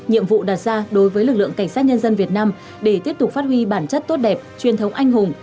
nhiệm vụ đặt ra đối với lực lượng cảnh sát nhân dân việt nam để tiếp tục phát huy bản chất tốt đẹp truyền thống anh hùng